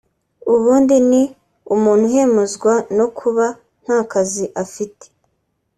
ubundi ni umuntu uhemuzwa no kuba nta kazi afite